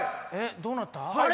どうなった？